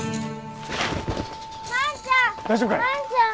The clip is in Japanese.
万ちゃん！